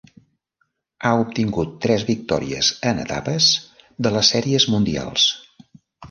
Ha obtingut tres victòries en etapes de les Sèries Mundials.